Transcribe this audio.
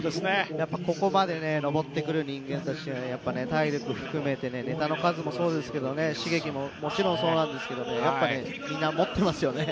ここまで上ってくる人間として、体力含めてネタの数も含めてですけどＳｈｉｇｅｋｉｘももちろんそうなんですけど、みんな持ってますよね。